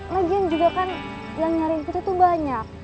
lagian juga kan yang nyariin kita tuh banyak